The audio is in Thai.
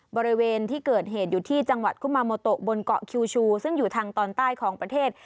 บริเวณที่เกิดเหตุอยู่ที่จังหวัดกุมาโมโตบนเกาะคิวชูซึ่งอยู่ทางตอนใต้ของประเทศ